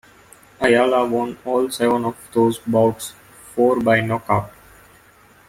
Ayala won all seven of those bouts, four by knockout.